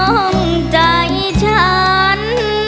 สวมใจฉัน